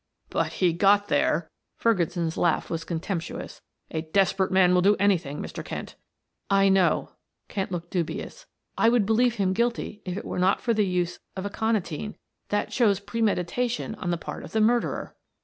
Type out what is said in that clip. "But he got there." Ferguson's laugh was contemptuous. "A desperate man will do anything, Mr. Kent." "I know," Kent looked dubious. "I would believe him guilty if it were not for the use of aconitine that shows premeditation on the part of the murderer."